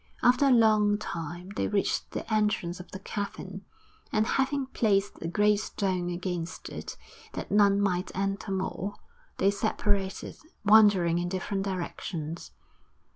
After a long time they reached the entrance of the cavern, and having placed a great stone against it, that none might enter more, they separated, wandering in different directions.